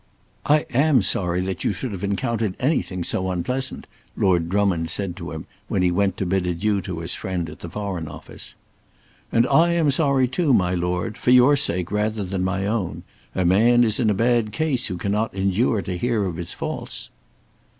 "I am sorry that you should have encountered anything so unpleasant," Lord Drummond said to him when he went to bid adieu to his friend at the Foreign Office. "And I am sorry too, my Lord; for your sake rather than my own. A man is in a bad case who cannot endure to hear of his faults."